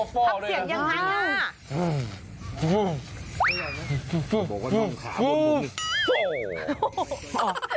ทำเสียงอยากทำหน้า